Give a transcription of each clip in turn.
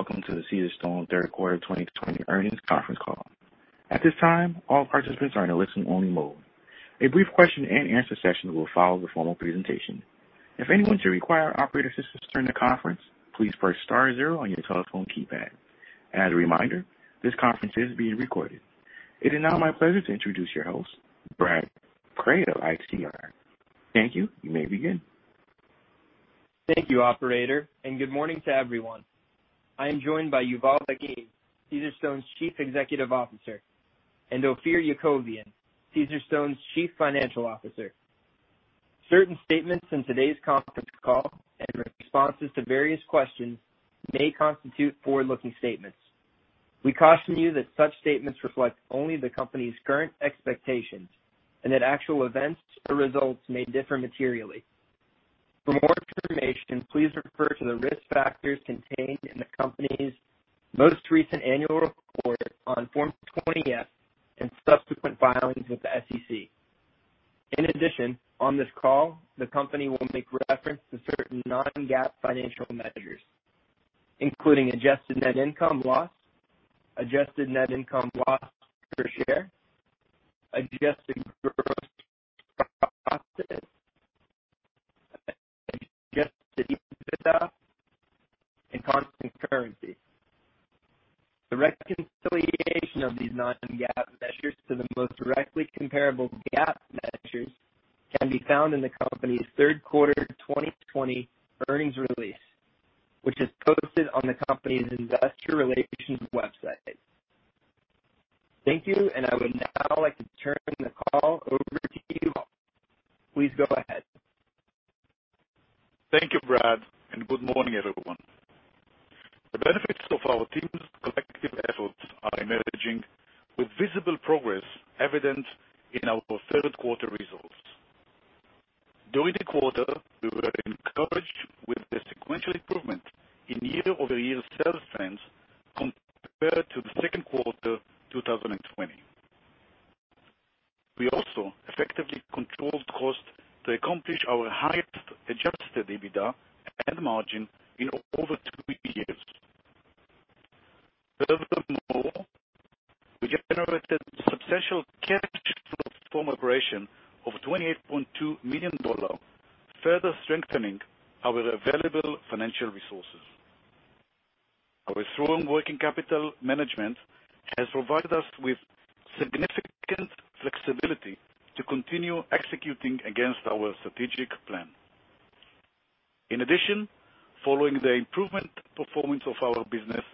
Welcome to the Caesarstone third quarter 2020 earnings conference call. At this time, all participants are in a listen only mode. A brief question and answer session will follow the formal presentation. If anyone should require operator assistance during the conference, please press star zero on your telephone keypad. As a reminder, this conference is being recorded. It is now my pleasure to introduce your host, Brad Cray of ICR. Thank you. You may begin. Thank you operator, good morning to everyone. I am joined by Yuval Dagim, Caesarstone's Chief Executive Officer, and Ophir Yakovian, Caesarstone's Chief Financial Officer. Certain statements in today's conference call and responses to various questions may constitute forward-looking statements. We caution you that such statements reflect only the company's current expectations, and that actual events or results may differ materially. For more information, please refer to the risk factors contained in the company's most recent annual report on Form 20-F and subsequent filings with the SEC. In addition, on this call, the company will make reference to certain non-GAAP financial measures, including adjusted net income loss, adjusted net income loss per share, adjusted gross profit, adjusted EBITDA, and constant currency. The reconciliation of these non-GAAP measures to the most directly comparable GAAP measures can be found in the company's third quarter 2020 earnings release, which is posted on the company's Investor Relations website. Thank you, and I would now like to turn the call over to Yuval. Please go ahead. Thank you, Brad, and good morning, everyone. The benefits of our team's collective efforts are emerging with visible progress evident in our third quarter results. During the quarter, we were encouraged with the sequential improvement in year-over-year sales trends compared to the second quarter 2020. We also effectively controlled costs to accomplish our highest adjusted EBITDA and margin in over two years. Furthermore, we generated substantial cash from operation of $28.2 million, further strengthening our available financial resources. Our strong working capital management has provided us with significant flexibility to continue executing against our strategic plan. In addition, following the improvement performance of our business,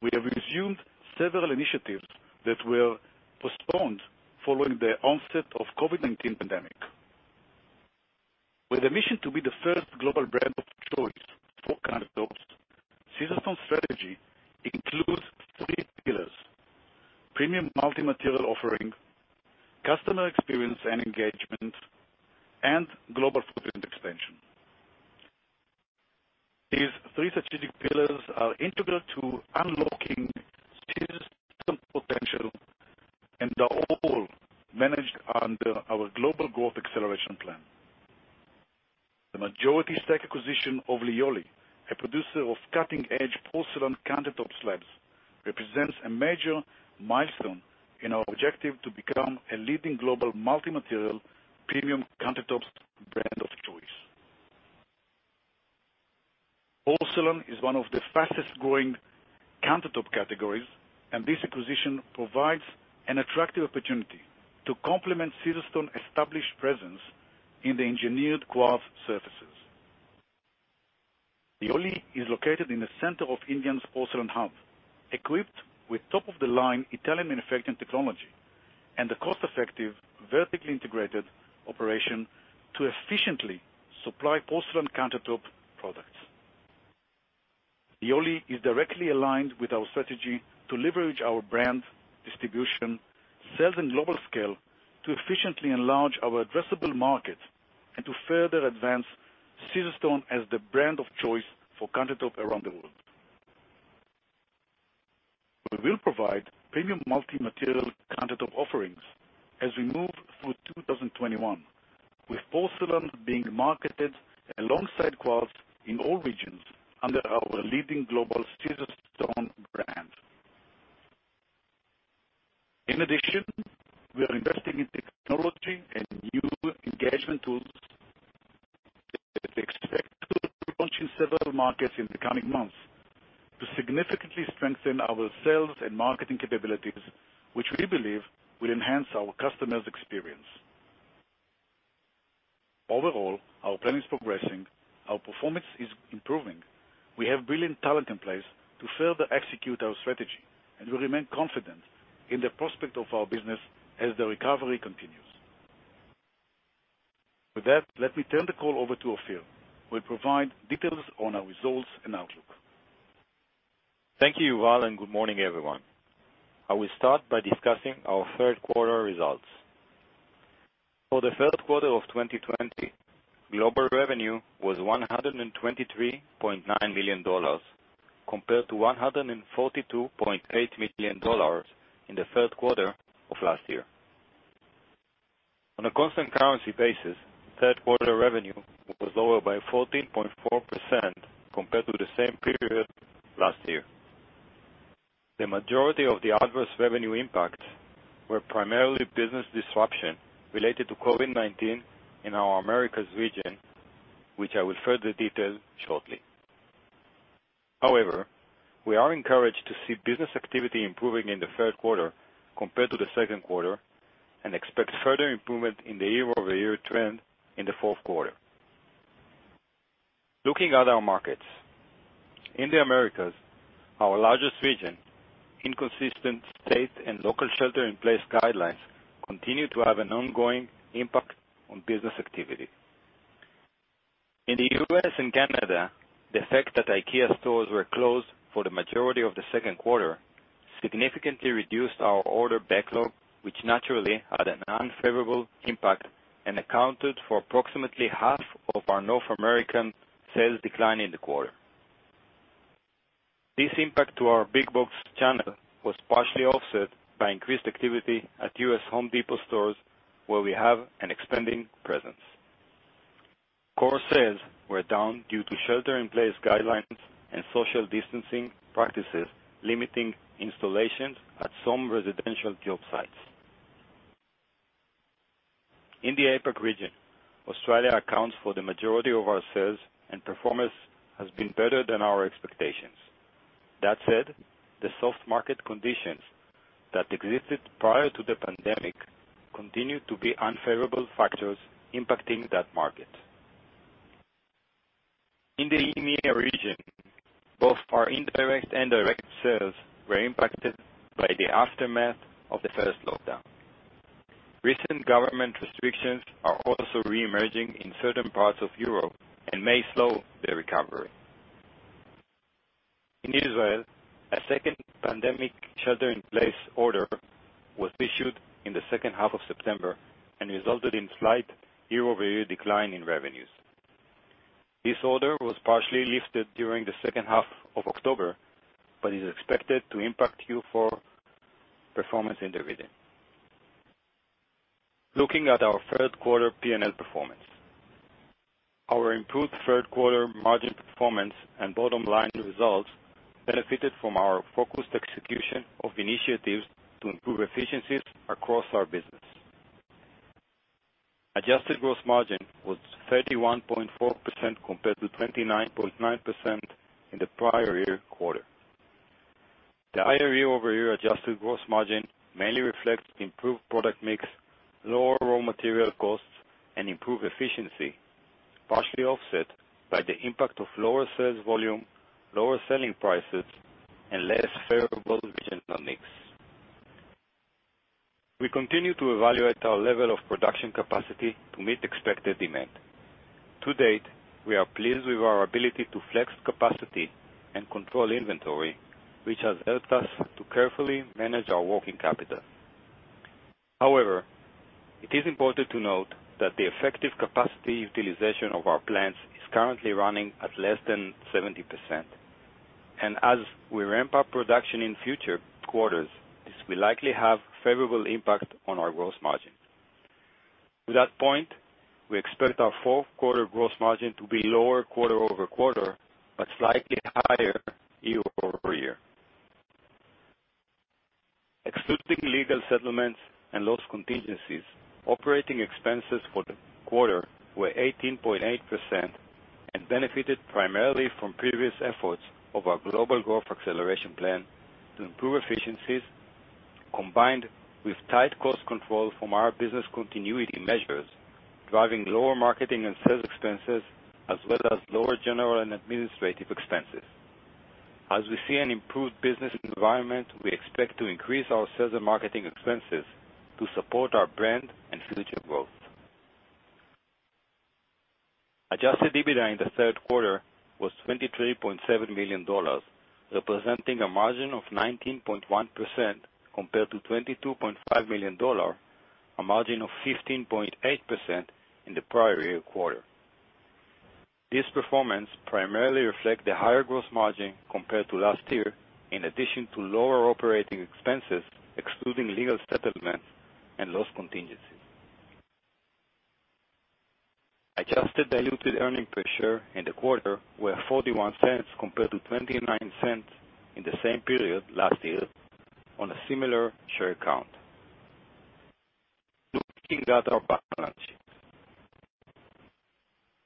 we have resumed several initiatives that were postponed following the onset of COVID-19 pandemic. With a mission to be the first global brand of choice for countertops, Caesarstone's strategy includes three pillars: premium multi-material offering, customer experience and engagement, and global footprint expansion. These three strategic pillars are integral to unlocking Caesarstone potential and are all managed under our Global Growth Acceleration Plan. The majority stake acquisition of Lioli, a producer of cutting-edge porcelain countertop slabs, represents a major milestone in our objective to become a leading global multi-material premium countertops brand of choice. Porcelain is one of the fastest-growing countertop categories, and this acquisition provides an attractive opportunity to complement Caesarstone established presence in the engineered quartz surfaces. Lioli is located in the center of India's porcelain hub, equipped with top-of-the-line Italian manufacturing technology and the cost-effective, vertically integrated operation to efficiently supply porcelain countertop products. Lioli is directly aligned with our strategy to leverage our brand, distribution, sales, and global scale to efficiently enlarge our addressable market and to further advance Caesarstone as the brand of choice for countertop around the world. We will provide premium multi-material countertop offerings as we move through 2021, with porcelain being marketed alongside quartz in all regions under our leading global Caesarstone brand. In addition, we are investing in technology and new engagement tools that we expect to launch in several markets in the coming months to significantly strengthen our sales and marketing capabilities, which we believe will enhance our customers' experience. Overall, our plan is progressing, our performance is improving. We have brilliant talent in place to further execute our strategy, and we remain confident in the prospect of our business as the recovery continues. With that, let me turn the call over to Ophir, who will provide details on our results and outlook. Thank you, Yuval. Good morning, everyone. I will start by discussing our third quarter results. For the third quarter of 2020, global revenue was $123.9 million, compared to $142.8 million in the third quarter of last year. On a constant currency basis, third quarter revenue was lower by 14.4% compared to the same period last year. The majority of the adverse revenue impacts were primarily business disruption related to COVID-19 in our Americas region, which I will further detail shortly. We are encouraged to see business activity improving in the third quarter compared to the second quarter, and expect further improvement in the year-over-year trend in the fourth quarter. Looking at our markets. In the Americas, our largest region, inconsistent state and local shelter-in-place guidelines continue to have an ongoing impact on business activity. In the U.S. and Canada, the fact that IKEA stores were closed for the majority of the second quarter significantly reduced our order backlog, which naturally had an unfavorable impact, and accounted for approximately half of our North American sales decline in the quarter. This impact to our big box channel was partially offset by increased activity at U.S. Home Depot stores, where we have an expanding presence. Core sales were down due to shelter-in-place guidelines and social distancing practices, limiting installations at some residential job sites. In the APAC region, Australia accounts for the majority of our sales. Performance has been better than our expectations. That said, the soft market conditions that existed prior to the pandemic continue to be unfavorable factors impacting that market. In the EMEA region, both our indirect and direct sales were impacted by the aftermath of the first lockdown. Recent government restrictions are also reemerging in certain parts of Europe and may slow the recovery. In Israel, a second pandemic shelter-in-place order was issued in the second half of September and resulted in slight year-over-year decline in revenues. This order was partially lifted during the second half of October, but is expected to impact Q4 performance in the region. Looking at our third quarter P&L performance. Our improved third quarter margin performance and bottom line results benefited from our focused execution of initiatives to improve efficiencies across our business. Adjusted gross margin was 31.4% compared to 29.9% in the prior year quarter. The higher year-over-year adjusted gross margin mainly reflects improved product mix, lower raw material costs, and improved efficiency, partially offset by the impact of lower sales volume, lower selling prices, and less favorable regional mix. We continue to evaluate our level of production capacity to meet expected demand. To date, we are pleased with our ability to flex capacity and control inventory, which has helped us to carefully manage our working capital. However, it is important to note that the effective capacity utilization of our plants is currently running at less than 70%. As we ramp up production in future quarters, this will likely have a favorable impact on our gross margin. To that point, we expect our fourth quarter gross margin to be lower quarter-over-quarter, but slightly higher year-over-year. Excluding legal settlements and loss contingencies, operating expenses for the quarter were 18.8% and benefited primarily from previous efforts of our Global Growth Acceleration Plan to improve efficiencies, combined with tight cost control from our business continuity measures, driving lower marketing and sales expenses, as well as lower general and administrative expenses. As we see an improved business environment, we expect to increase our sales and marketing expenses to support our brand and future growth. Adjusted EBITDA in the third quarter was $23.7 million, representing a margin of 19.1%, compared to $22.5 million, a margin of 15.8% in the prior year quarter. This performance primarily reflects the higher gross margin compared to last year, in addition to lower operating expenses, excluding legal settlements and loss contingencies. Adjusted diluted earnings per share in the quarter were $0.41 compared to $0.29 in the same period last year on a similar share count. Looking at our balance sheet.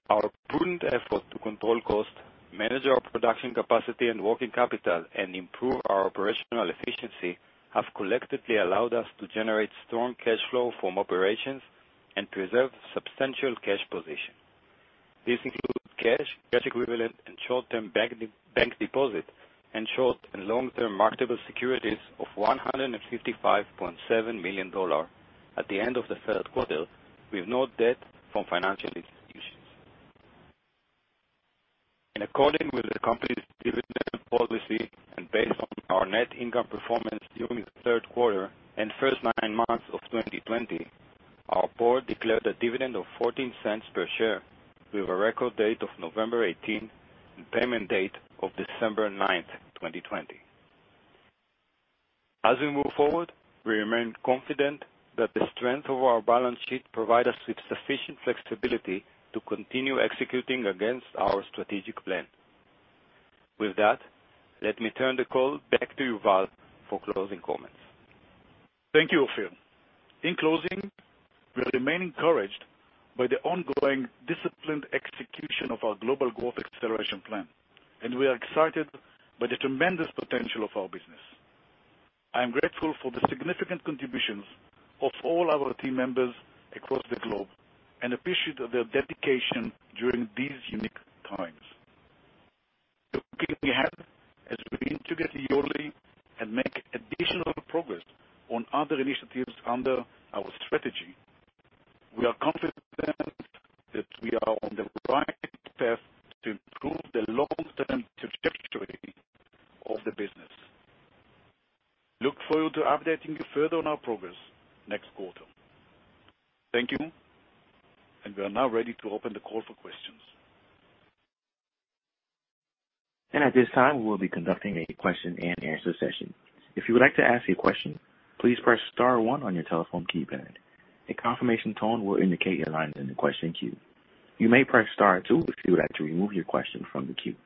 Our prudent effort to control cost, manage our production capacity and working capital, and improve our operational efficiency have collectively allowed us to generate strong cash flow from operations and preserve substantial cash position. This includes cash equivalents, and short-term bank deposits, and short and long-term marketable securities of $155.7 million at the end of the third quarter, with no debt from financial institutions. In accordance with the company's dividend policy and based on our net income performance during the third quarter and first nine months of 2020, our board declared a dividend of $0.14 per share with a record date of November 18th and payment date of December 9th, 2020. As we move forward, we remain confident that the strength of our balance sheet provide us with sufficient flexibility to continue executing against our strategic plan. With that, let me turn the call back to Yuval for closing comments. Thank you, Ophir. In closing, we remain encouraged by the ongoing disciplined execution of our Global Growth Acceleration Plan, and we are excited by the tremendous potential of our business. I am grateful for the significant contributions of all our team members across the globe and appreciate their dedication during these unique times. Looking ahead, as we integrate Lioli and make additional progress on other initiatives under our strategy, we are confident that we are on the right path to improve the long-term trajectory of the business. Look forward to updating you further on our progress next quarter. Thank you. We are now ready to open the call for questions. At this time, we'll be conducting a question and answer session. If you would like to ask a question, please press star one on your telephone keypad. A confirmation tone will indicate your line is in the question queue. You may press star two if you would like to remove your question from the queue.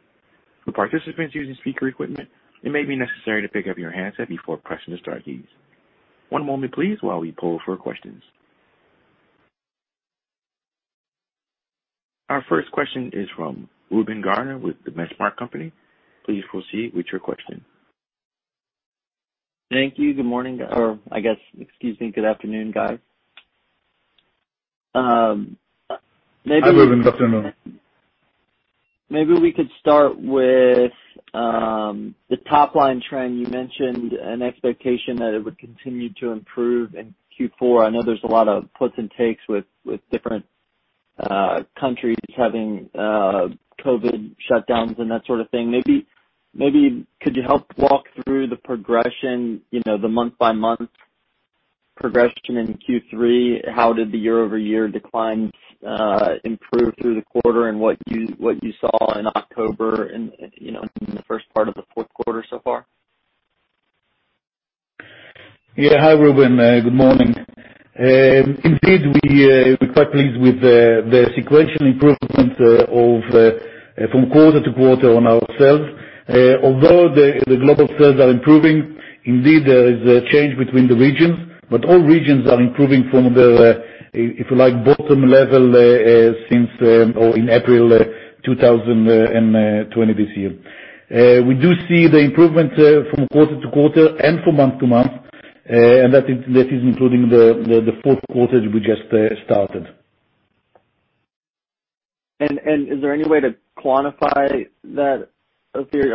For participants using speaker equipment, it may be necessary to pick up your handset before pressing the star keys. One moment please, while we poll for questions. Our first question is from Reuben Garner with The Benchmark Company. Please proceed with your question. Thank you. Good morning, or I guess, excuse me, good afternoon, guys. Hi, Reuben. Good morning. Maybe we could start with the top-line trend. You mentioned an expectation that it would continue to improve in Q4. I know there's a lot of puts and takes with different countries having COVID shutdowns and that sort of thing. Maybe could you help walk through the progression, the month-by-month progression in Q3? How did the year-over-year declines improve through the quarter, and what you saw in October and in the first part of the fourth quarter so far? Yeah. Hi, Reuben. Good morning. Indeed, we're quite pleased with the sequential improvement from quarter-to-quarter on our sales. Although the global sales are improving, indeed, there is a change between the regions, all regions are improving from the, if you like, bottom level in April 2020 this year. We do see the improvement from quarter-to-quarter and from month-to-month, that is including the fourth quarter that we just started. Is there any way to quantify that, Ophir?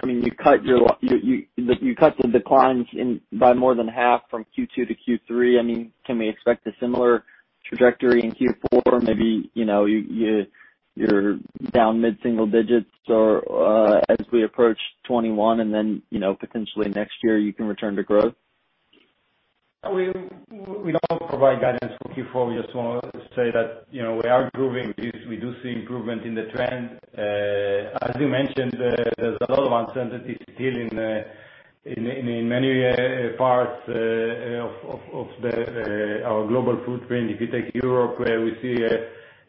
You cut the declines by more than half from Q2 to Q3. Can we expect a similar trajectory in Q4? Maybe you're down mid-single digits as we approach 2021, and then potentially next year you can return to growth? We don't provide guidance for Q4. We just want to say that we are improving. We do see improvement in the trend. As you mentioned, there's a lot of uncertainty still in many parts of our global footprint. If you take Europe, where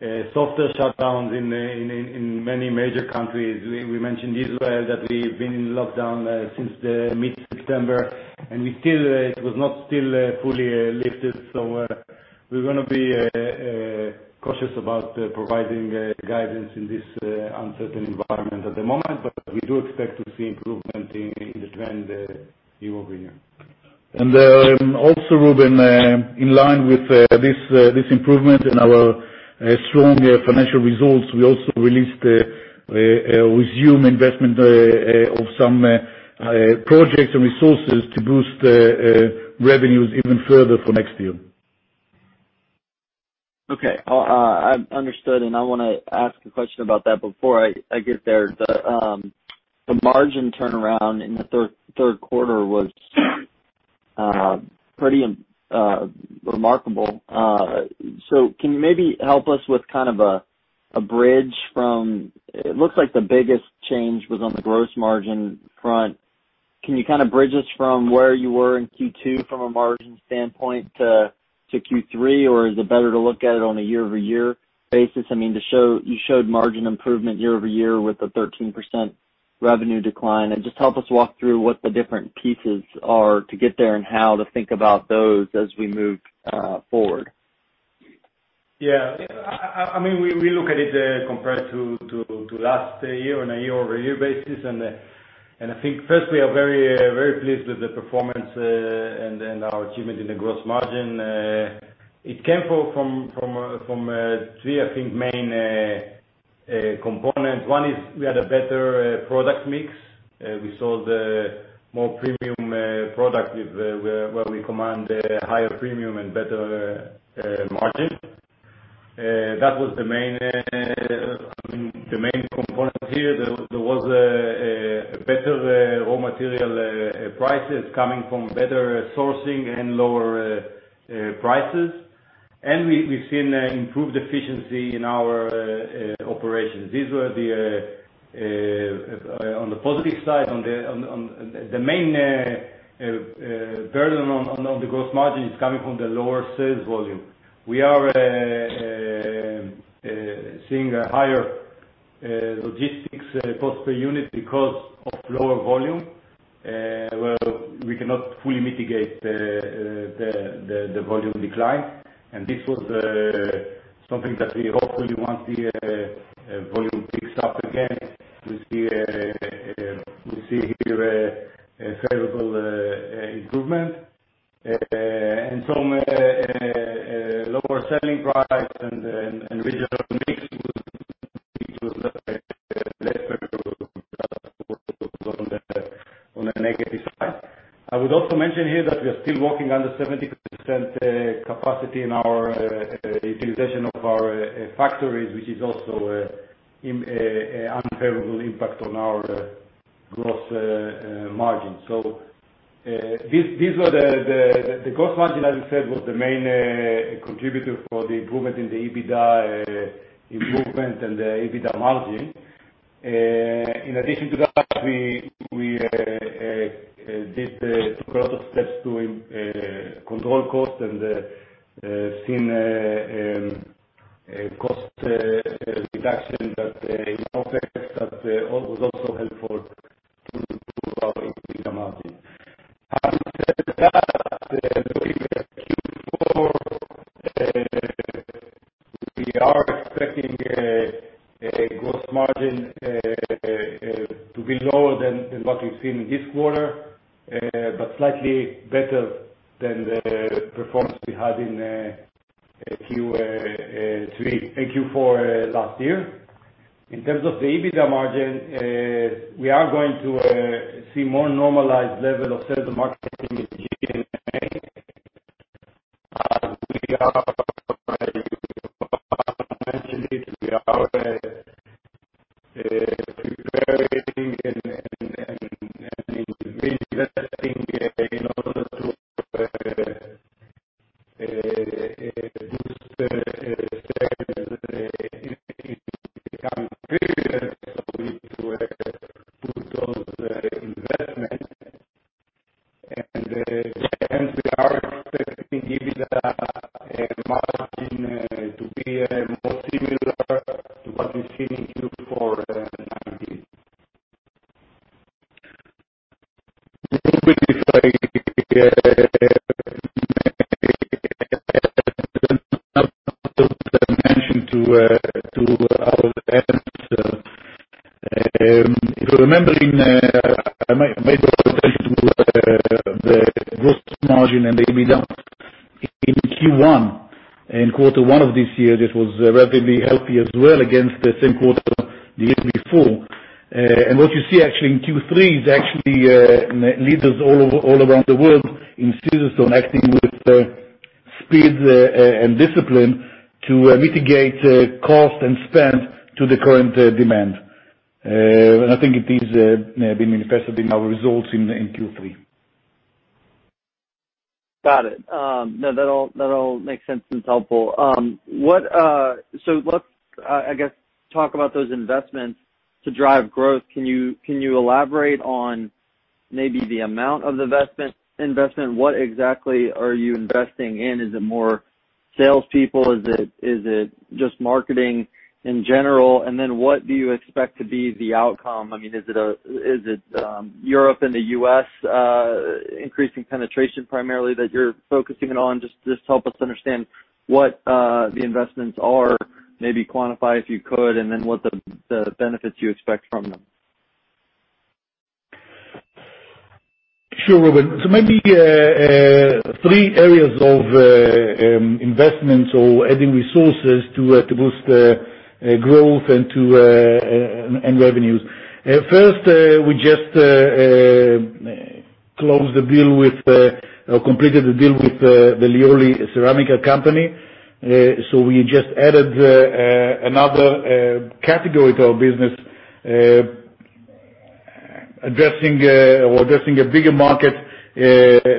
we see softer shutdowns in many major countries. We mentioned Israel, that we've been in lockdown since the mid-September, and it was not still fully lifted. We're going to be cautious about providing guidance in this uncertain environment at the moment, but we do expect to see improvement in the trend year-over-year. Reuben, in line with this improvement in our strong financial results, we also resumed investment of some projects and resources to boost revenues even further for next year. Okay. Understood. I want to ask a question about that before I get there. The margin turnaround in the third quarter was pretty remarkable. Can you maybe help us with kind of a bridge? It looks like the biggest change was on the gross margin front. Can you kind of bridge us from where you were in Q2 from a margin standpoint to Q3, or is it better to look at it on a year-over-year basis? You showed margin improvement year-over-year with a 13% revenue decline. Just help us walk through what the different pieces are to get there and how to think about those as we move forward. We look at it compared to last year on a year-over-year basis, and I think first, we are very pleased with the performance and our achievement in the gross margin. It came from three, I think, main components. One is we had a better product mix. We sold more premium product where we command a higher premium and better margin. That was the main component here. There was better raw material prices coming from better sourcing and lower prices. We've seen improved efficiency in our operations. These were on the positive side. The main burden on the gross margin is coming from the lower sales volume. We are seeing a higher logistics cost per unit because of lower volume, where we cannot fully mitigate the volume decline. This was something that we hopefully, once the volume picks up again, we see here a favorable improvement, and some lower selling price and regional mix, which was less favorable, of course, on the negative side. I would also mention here that we are still working under 70% capacity in our utilization of our factories, which is also an unfavorable impact on our gross margins. The gross margin, as you said, was the main contributor for the improvement in the EBITDA improvement and the EBITDA margin. In addition to that, we took a lot of steps to control costs and seen cost reduction that in effect, that was also helpful to our EBITDA margin. Having said that, looking at Q4, we are expecting a gross margin to be lower than what we've seen in this quarter, but slightly better than the performance we had in Q4 last year. In terms of the EBITDA margin, we are going to see more normalized level of sales and marketing in G&A. quarter one of this year, that was relatively healthy as well against the same quarter the year before. What you see actually in Q3, is actually leaders all around the world in Caesarstone acting with speed and discipline to mitigate cost and spend to the current demand. I think it is been manifested in our results in Q3. Got it. No, that all makes sense and it's helpful. Let's, I guess, talk about those investments to drive growth. Can you elaborate on maybe the amount of the investment? What exactly are you investing in? Is it more salespeople? Is it just marketing in general? What do you expect to be the outcome? Is it Europe and the U.S. increasing penetration primarily that you're focusing it on? Just help us understand what the investments are, maybe quantify if you could, and then what the benefits you expect from them. Sure, Reuben. Maybe three areas of investments or adding resources to boost growth and revenues. First, we just closed the deal with or completed the deal with the Lioli Ceramica company. We just added another category to our business, addressing a bigger market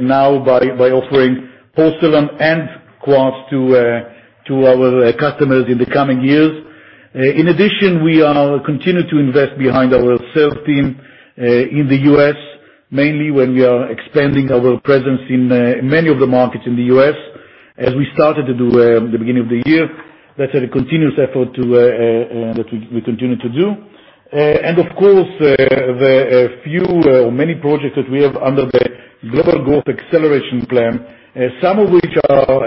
now by offering porcelain and quartz to our customers in the coming years. In addition, we continue to invest behind our sales team, in the U.S., mainly when we are expanding our presence in many of the markets in the U.S., as we started to do the beginning of the year. That's a continuous effort that we continue to do. Of course, the few or many projects that we have under the Global Growth Acceleration Plan, some of which are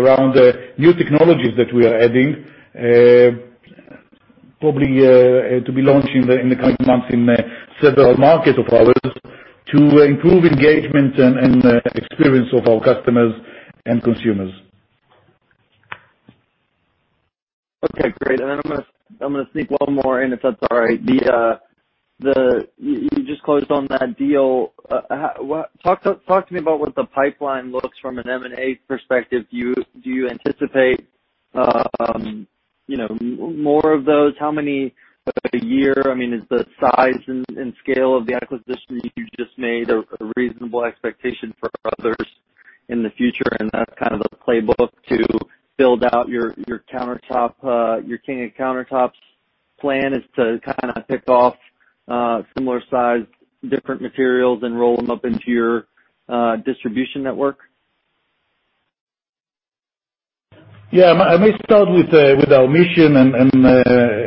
around new technologies that we are adding, probably to be launched in the coming months in several markets of ours to improve engagement and experience of our customers and consumers. I'm going to sneak one more in, if that's all right. You just closed on that deal. Talk to me about what the pipeline looks from an M&A perspective. Do you anticipate more of those? How many a year? Is the size and scale of the acquisition you just made a reasonable expectation for others in the future, and that's kind of a playbook to build out your [King] of Countertops plan is to kind of pick off similar-sized different materials and roll them up into your distribution network? Yeah. I may start with our mission, and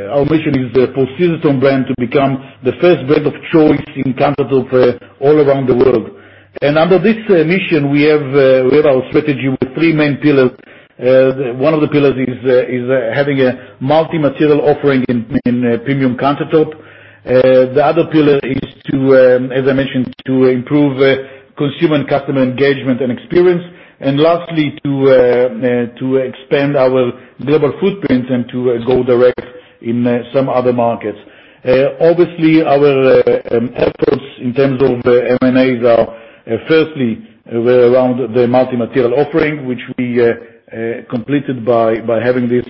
our mission is for Caesarstone brand to become the first brand of choice in countertop all around the world. Under this mission, we have our strategy with three main pillars. One of the pillars is having a multi-material offering in premium countertop. The other pillar is, as I mentioned, to improve consumer and customer engagement and experience. Lastly, to expand our global footprint and to go direct in some other markets. Obviously, our efforts in terms of M&As are firstly, around the multi-material offering, which we completed by having this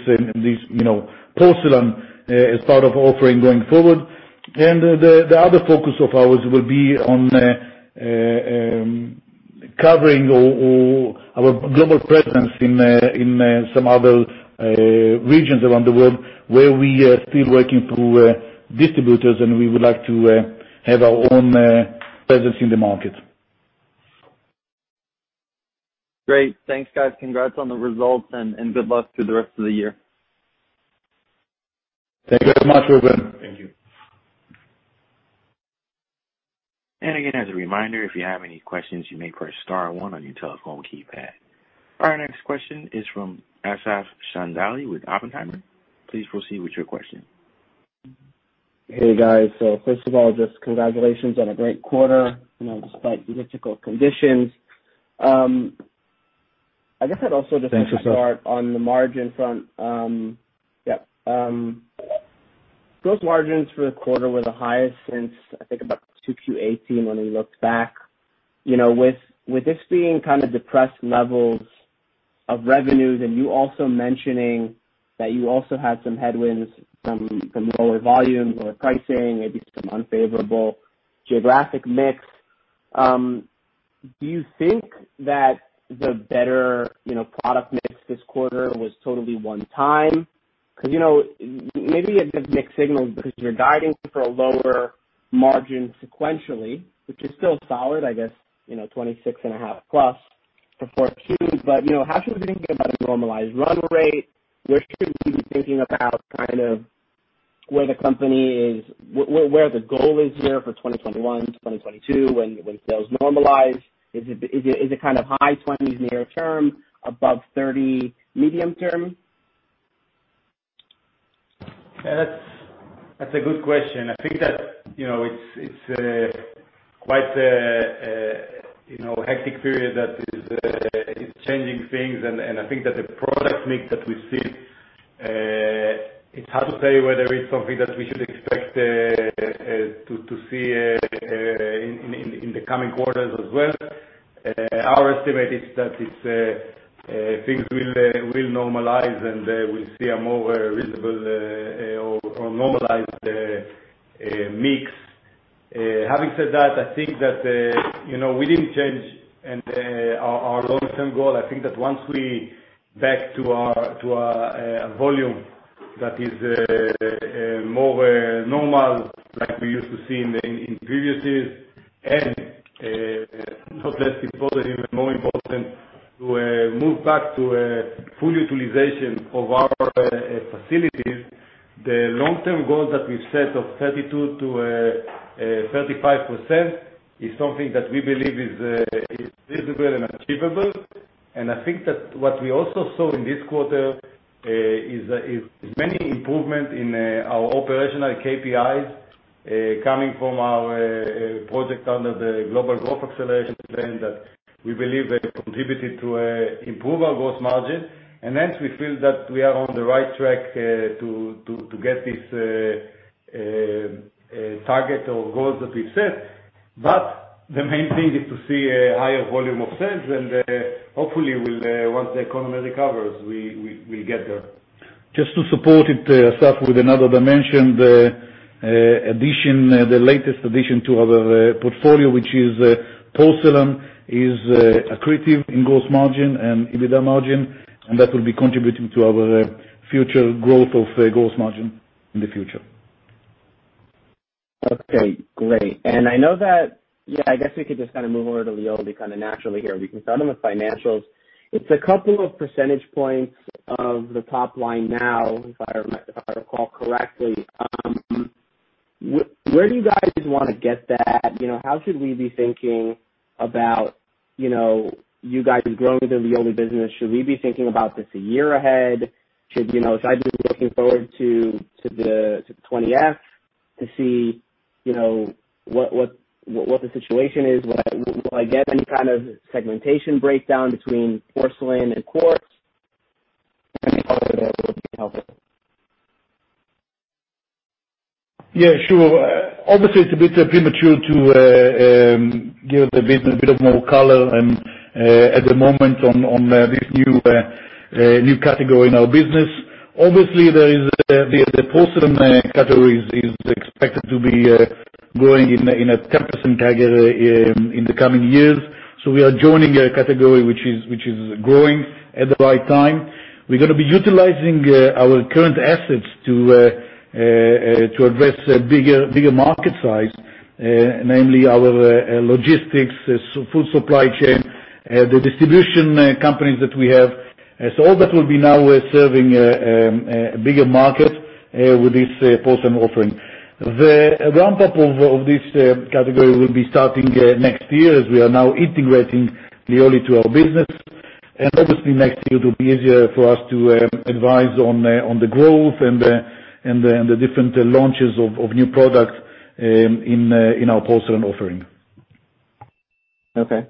porcelain as part of offering going forward. The other focus of ours will be on covering our global presence in some other regions around the world where we are still working through distributors, and we would like to have our own presence in the market. Great. Thanks, guys. Congrats on the results. Good luck through the rest of the year. Thank you so much, Reuben. Thank you. Again, as a reminder, if you have any questions, you may press star one on your telephone keypad. Our next question is from Asaf Chandali with Oppenheimer. Please proceed with your question. Hey, guys. First of all, just congratulations on a great quarter, despite the difficult conditions. Thanks, Asaf. I guess I'd also like to start on the margin front. Gross margins for the quarter were the highest since, I think, about 2Q 2018 when we looked back. With this being kind of depressed levels of revenues and you also mentioning that you also had some headwinds from lower volume, lower pricing, maybe some unfavorable geographic mix, do you think that the better product mix this quarter was totally one time? Because maybe it gives mixed signals because you're guiding for a lower margin sequentially, which is still solid, I guess, 26.5%+ for 4Q. How should we be thinking about a normalized run rate? Where should we be thinking about where the company is, where the goal is here for 2021, 2022 when sales normalize? Is it kind of high 20s% near-term, above 30% medium-term? That's a good question. I think that it's quite a hectic period that is changing things, and I think that the product mix that we see, it's hard to say whether it's something that we should expect to see in the coming quarters as well. Our estimate is that things will normalize, and we'll see a more reasonable or normalized mix. Having said that, I think that we didn't change our long-term goal. I think that once we're back to our volume that is more normal, like we used to see in previous years, and not less important, even more important, to move back to full utilization of our facilities, the long-term goal that we've set of 32%-35% is something that we believe is reasonable and achievable. I think that what we also saw in this quarter is many improvements in our operational KPIs, coming from our project under the Global Growth Acceleration Plan that we believe contributed to improve our gross margin. Hence, we feel that we are on the right track to get this target or goals that we've set. The main thing is to see a higher volume of sales, and hopefully, once the economy recovers, we'll get there. Just to support it, Asaf, with another dimension, the latest addition to our portfolio, which is porcelain, is accretive in gross margin and EBITDA margin. That will be contributing to our future growth of gross margin in the future. Okay, great. I know that, I guess we could just move over to Lioli naturally here. We can start on the financials. It's a couple of percentage points of the top line now, if I recall correctly. Where do you guys want to get that? How should we be thinking about you guys growing the Lioli business? Should we be thinking about this a year ahead? Should I be looking forward to the 20-F to see what the situation is? Will I get any kind of segmentation breakdown between porcelain and quartz? Anything further that would be helpful. Yeah, sure. Obviously, it's a bit premature to give a bit of more color at the moment on this new category in our business. Obviously, the porcelain category is expected to be growing in a 10% CAGR in the coming years. We are joining a category which is growing at the right time. We're going to be utilizing our current assets to address a bigger market size, namely our logistics, full supply chain, the distribution companies that we have. All that will be now we're serving a bigger market with this porcelain offering. The ramp-up of this category will be starting next year, as we are now integrating Lioli to our business. Obviously next year it will be easier for us to advise on the growth and the different launches of new product in our porcelain offering. Okay.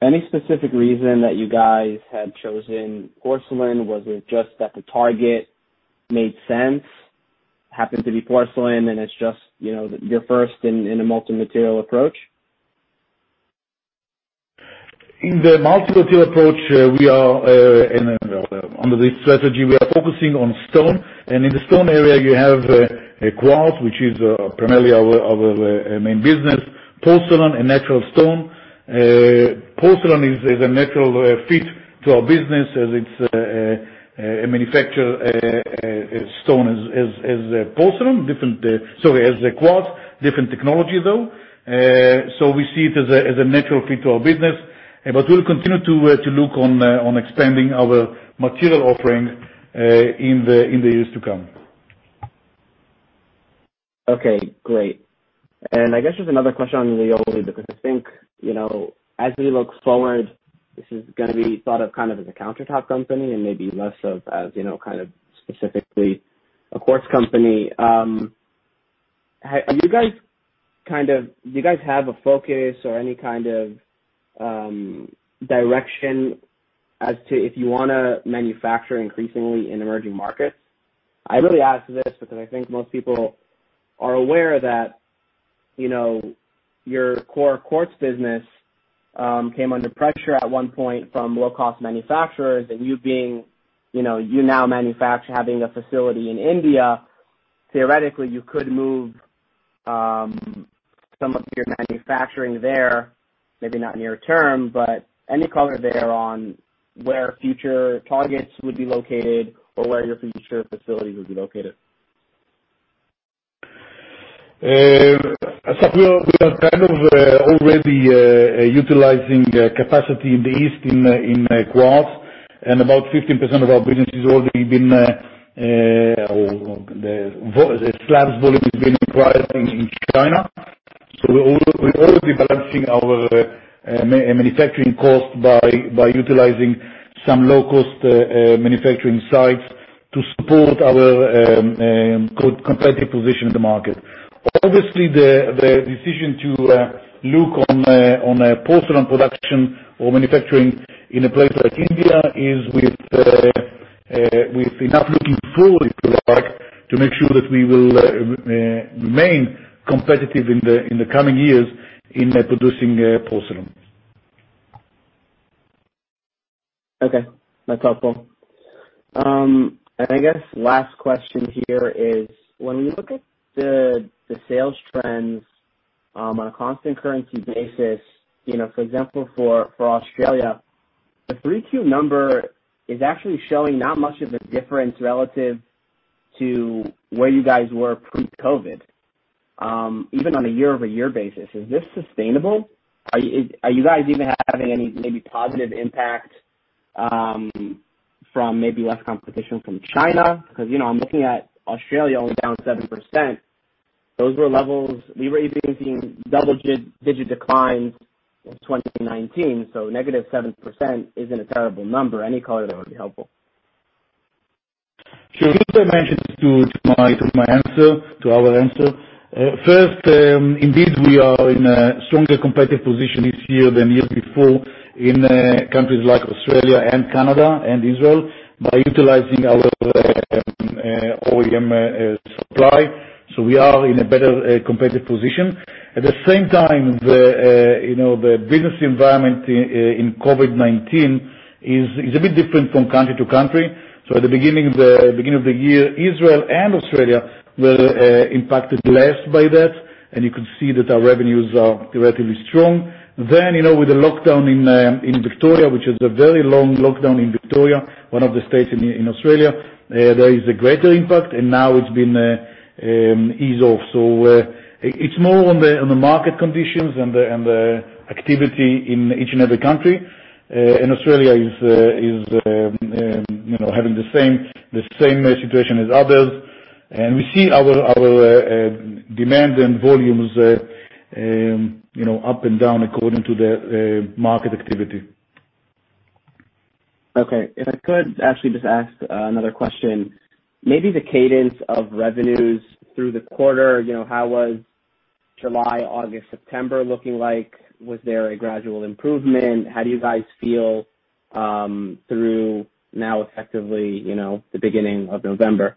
Any specific reason that you guys had chosen porcelain? Was it just that the target made sense, happened to be porcelain, and it's just your first in a multi-material approach? In the multi-material approach, under this strategy, we are focusing on stone. In the stone area, you have quartz, which is primarily our main business, porcelain, and natural stone. Porcelain is a natural fit to our business as it's a manufactured stone as porcelain. Sorry, as a quartz. Different technology, though. We see it as a natural fit to our business. We'll continue to look on expanding our material offering in the years to come. Okay, great. I guess just another question on Lioli, because I think, as we look forward, this is going to be thought of kind of as a countertop company and maybe less of as specifically a quartz company. Do you guys have a focus or any kind of direction as to if you want to manufacture increasingly in emerging markets? I really ask this because I think most people are aware that your core quartz business came under pressure at one point from low-cost manufacturers, and you now manufacture, having a facility in India, theoretically, you could move some of your manufacturing there, maybe not near term. Any color there on where future targets would be located or where your future facilities would be located? We are kind of already utilizing capacity in the East in quartz, and about 15% of our business, or the slabs volume is being acquired in China. We're already balancing our manufacturing cost by utilizing some low-cost manufacturing sites to support our competitive position in the market. Obviously, the decision to look on a porcelain production or manufacturing in a place like India is with enough looking forward, if you like, to make sure that we will remain competitive in the coming years in producing porcelain. Okay. That's helpful. I guess last question here is, when we look at the sales trends on a constant currency basis, for example, for Australia, the 3Q number is actually showing not much of a difference relative to where you guys were pre-COVID-19, even on a year-over-year basis. Is this sustainable? Are you guys even having any maybe positive impact from maybe less competition from China? Because I'm looking at Australia only down 7%. Those were levels we were even seeing double-digit declines in 2019, so -7% isn't a terrible number. Any color there would be helpful. Sure. I think I mentioned this to my answer, to our answer. Indeed, we are in a stronger competitive position this year than year before in countries like Australia and Canada and Israel by utilizing our OEM supply. We are in a better competitive position. At the same time, the business environment in COVID-19 is a bit different from country to country. At the beginning of the year, Israel and Australia were impacted less by that, and you could see that our revenues are relatively strong. With the lockdown in Victoria, which is a very long lockdown in Victoria, one of the states in Australia, there is a greater impact, and now it's been eased off. It's more on the market conditions and the activity in each and every country. Australia is having the same situation as others. We see our demand and volumes up and down according to the market activity. If I could actually just ask another question. Maybe the cadence of revenues through the quarter, how was July, August, September looking like? Was there a gradual improvement? How do you guys feel through now effectively, the beginning of November?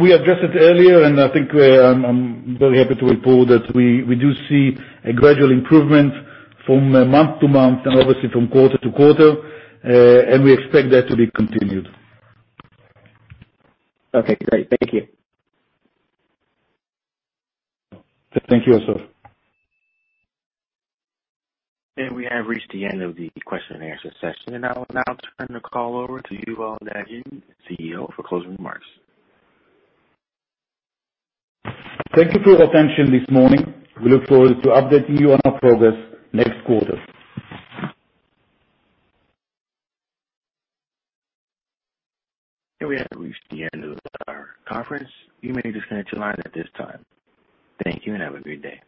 We addressed it earlier, and I think I'm very happy to report that we do see a gradual improvement from month to month and obviously from quarter to quarter, and we expect that to be continued. Okay, great. Thank you. Thank you, Asaf. We have reached the end of the question and answer session, and I will now turn the call over to Yuval Dagim, CEO, for closing remarks. Thank you for your attention this morning. We look forward to updating you on our progress next quarter. We have reached the end of our conference. You may disconnect your line at this time. Thank you, and have a great day.